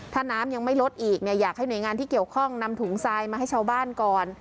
ถ้าน้ำยังไม่ลดอีกเนี่ยอยากให้หน่วยงานที่เกี่ยวข้องนำถุงทรายมาให้ชาวบ้านก่อน